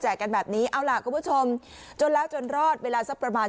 กันแบบนี้เอาล่ะคุณผู้ชมจนแล้วจนรอดเวลาสักประมาณ